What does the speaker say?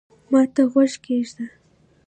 ما ته غوږ کېږده